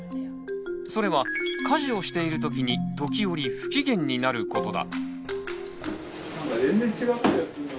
それは家事をしている時に時折不機嫌になることだ。